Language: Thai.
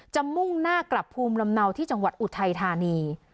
มุ่งหน้ากลับภูมิลำเนาที่จังหวัดอุทัยธานี